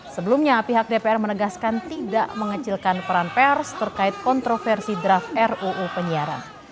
sebelumnya pihak dpr menegaskan tidak mengecilkan peran pers terkait kontroversi draft ruu penyiaran